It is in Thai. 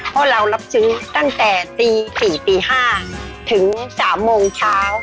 เพราะเรารับซื้อตั้งแต่ตี๔ตี๕ถึง๓โมงเช้า